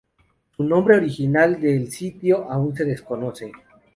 El nombre original del sitio aún se desconoce.